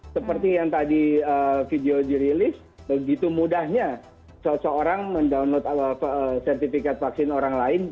seperti yang tadi video dirilis begitu mudahnya seseorang mendownload sertifikat vaksin orang lain